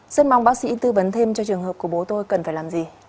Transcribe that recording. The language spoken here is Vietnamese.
rất mong bác sĩ tư vấn thêm cho trường hợp của bố tôi cần phải làm gì